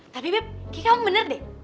tapi beb kayaknya kamu bener deh